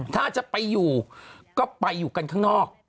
ถ้าจะไปอยู่ก็ไปอยู่กันข้างนอก